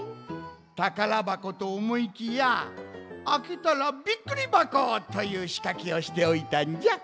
たからばことおもいきやあけたらビックリばこというしかけをしておいたんじゃ。